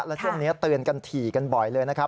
แล้วช่วงนี้เตือนกันถี่กันบ่อยเลยนะครับ